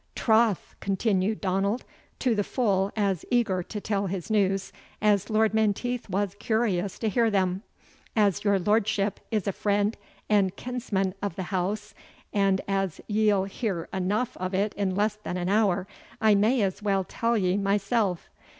"Troth," continued Donald, to the full as eager to tell his news as Lord Menteith was curious to hear them, "as your lordship is a friend and kinsman o' the house, an' as ye'll hear eneugh o't in less than an hour, I may as weel tell ye mysell.